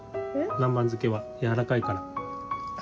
南蛮漬けはやわらかいから。